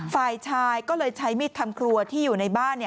ฝ่ายชายก็เลยใช้มีดทำครัวที่อยู่ในบ้าน